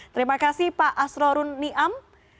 terima kasih pak asrorun niam